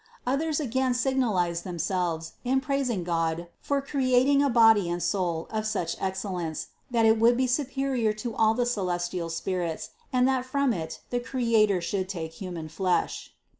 Others again signalized themselves in praising God for creating a body and soul of such excellence, that it would be superior to all the celestial spirits and that from it the Creator should take human flesh.